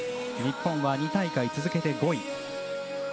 日本は、２大会続けて５位。